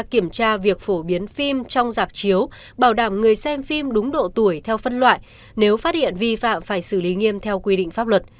kiểm tra việc phổ biến phim trong dạp chiếu bảo đảm người xem phim đúng độ tuổi theo phân loại nếu phát hiện vi phạm phải xử lý nghiêm theo quy định pháp luật